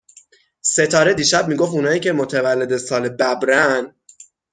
ستاره دیشب می گفت اونایی که متولد سال ببرن